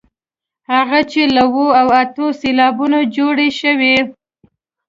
هغه چې له اوو او اتو سېلابونو جوړې شوې.